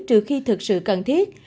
trừ khi thực sự cần thiết